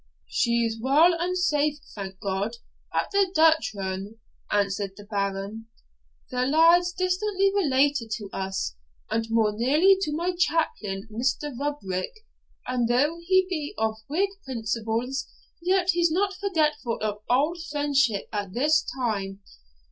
'She's weel and safe, thank God! at the Duchran,' answered the Baron; 'the laird's distantly related to us, and more nearly to my chaplain, Mr. Rubrick; and, though he be of Whig principles, yet he's not forgetful of auld friendship at this time.